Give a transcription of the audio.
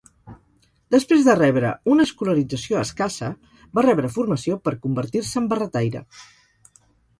Després de rebre una escolarització escassa, va rebre formació per convertir-se en barretaire.